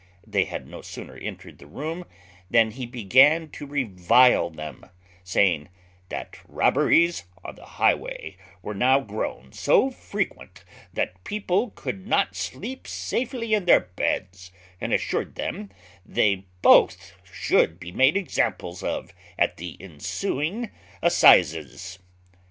They had no sooner entered the room than he began to revile them, saying, "That robberies on the highway were now grown so frequent, that people could not sleep safely in their beds, and assured them they both should be made examples of at the ensuing assizes."